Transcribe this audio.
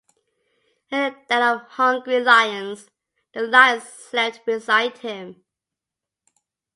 In a den of hungry lions, the lions slept beside him.